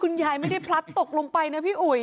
คุณยายว่าไม่ได้พลัดตกลงไปหน่ะพี่อุ๋ย